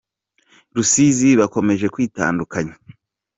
Rusizi Bakomeje kwitandukanya